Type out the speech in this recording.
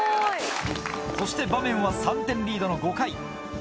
そして場面は３点リードの５回。